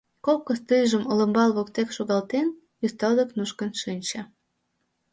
Кок костыльжым олымбал воктен шогалтен, ӱстел дек нушкын шинче.